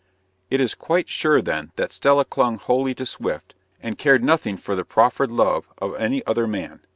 It is quite sure, then, that Stella clung wholly to Swift, and cared nothing for the proffered love of any other man.